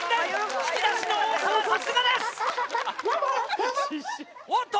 引き出しの多さはさすがです！おっと？